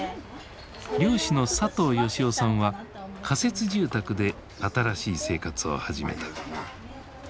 漁師の佐藤吉男さんは仮設住宅で新しい生活を始めた。